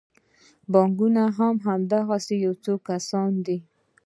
بانکونه هم د همدې یو څو کسانو دي